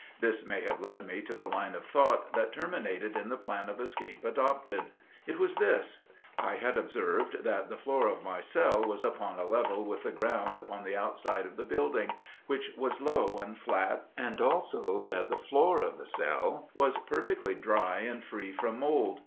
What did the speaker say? This may have led me to the line of thought that terminated in the plan of escape adopted. It was this: I had observed that the floor of my cell was upon a level with the ground upon the outside of the building, which was low and flat, and also that the floor of the cell was perfectly dry and free from mold.